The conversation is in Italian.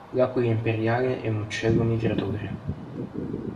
L'aquila imperiale è un uccello migratore.